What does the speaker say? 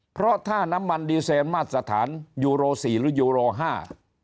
เพราะถ้าน้ำมันดีเซนมาตรฐานยูโรสี่หรือยูโรห้า